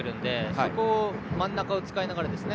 そこを真ん中を使いながら。